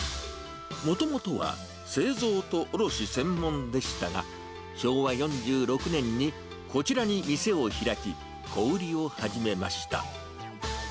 もともとは製造と卸専門でしたが、昭和４６年にこちらに店を開き、小売りを始めました。